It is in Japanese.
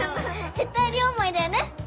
絶対両思いだよね！